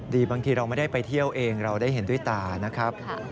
บางทีเราไม่ได้ไปเที่ยวเองเราได้เห็นด้วยตานะครับ